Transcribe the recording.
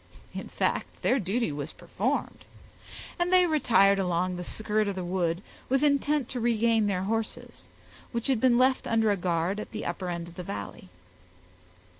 In fact, their duty was performed, and they retired along the skirt of the wood, with intent to regain their horses, which had been left under a guard at the upper end of the valley.